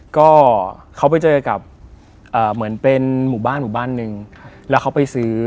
ก็เค้าไปเจอกับเหมือนเป็นหมู่บ้าน๑แล้วเค้าไปซื้อ